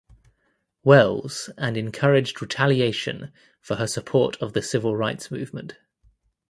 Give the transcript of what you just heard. Wells and encouraged retaliation for her support of the civil rights movement.